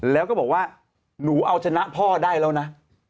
แล้วก็บอกว่าหนูเอาชนะพ่อได้แล้วนะ